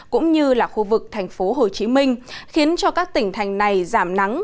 cũng như là khu vực thành phố hồ chí minh khiến cho các tỉnh thành này giảm nắng